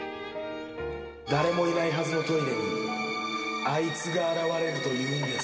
誰もいないはずのトイレに、あいつが現れるというんです。